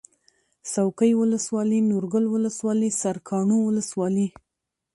څوکۍ ولسوالي نورګل ولسوالي سرکاڼو ولسوالي